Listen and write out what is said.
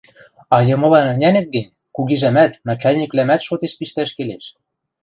А йымылан ӹнянет гӹнь, кугижӓмӓт, начальниквлӓмӓт шотеш пиштӓш келеш.